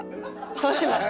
そうします